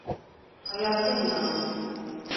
Hayatta inanmam.